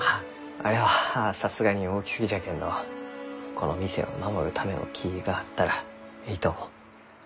あれはさすがに大きすぎじゃけんどこの店を守るための木があったらえいと思う。